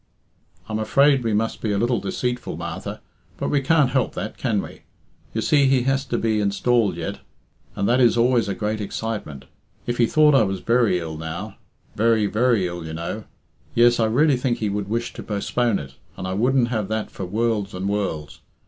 "I'm afraid we must be a little deceitful, Martha. But we can't help that, can we? You see he has to be installed yet, and that is always a great excitement. If he thought I was very ill, now very, very ill, you know yes, I really think he would wish to postpone it, and I wouldn't have that for worlds and worlds.